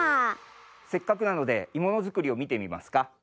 せっかくなのでいものづくりをみてみますか？